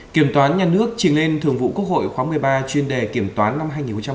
kiểm toán nhà nước trình lên thường vụ quốc hội khóa một mươi ba chuyên đề kiểm toán năm hai nghìn một mươi chín